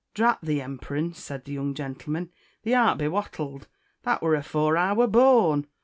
_" "Drat thee emperance," said the young gentleman; "thee art bewattled; _that were afore I were born.